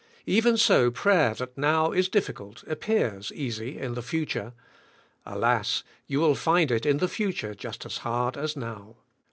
Even so prayer that now is difficult, appears easy in the future. Alas, you will find it in the future just as hard as now.